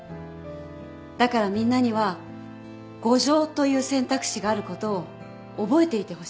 だからみんなには互譲という選択肢があることを覚えていてほしい。